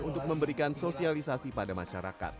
untuk memberikan sosialisasi pada masyarakat